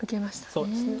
そうですね。